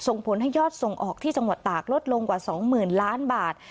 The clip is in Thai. ส่งผลให้ยอดส่งออกที่จังหวัดตากลดลงกว่า๒๐๐๐ล้านบาท